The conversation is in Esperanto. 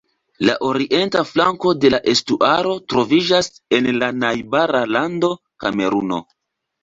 La orienta flanko de la estuaro troviĝas en la najbara lando, Kameruno.